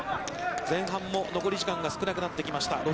前半も残り時間が少なくなってきました。